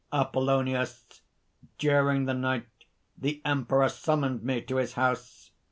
APOLLONIUS. "During the night the Emperor summoned me to his house.